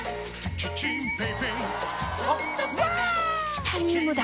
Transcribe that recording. チタニウムだ！